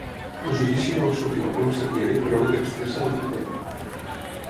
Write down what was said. El judici no va sortir a la premsa diària per ordre expressa del dictador.